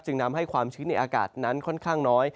นำให้ความชื้นในอากาศนั้นค่อนข้างน้อย